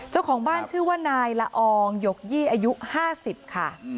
เจ้าของบ้านชื่อว่านายละอองหยกยี่อายุ๕๐ค่ะ